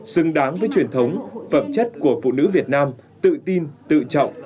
xứng đáng với truyền thống phẩm chất của phụ nữ việt nam tự tin tự trọng